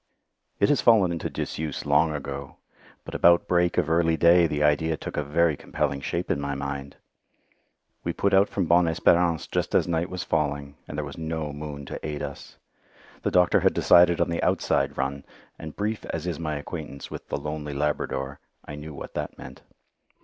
It has fallen into disuse long ago, but about break of early day the idea took a very compelling shape in my mind. We put out from Bonne Espérance just as night was falling, and there was no moon to aid us. The doctor had decided on the outside run, and brief as is my acquaintance with the "lonely Labrador," I knew what that meant.